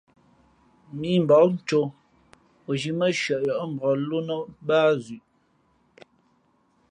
Mímbak cō, o zhī mά nshʉαyάʼ mbǎk ló nά báá zʉʼ.